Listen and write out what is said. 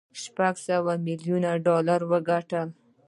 شپږ سوه ميليونه ډالر وګټل.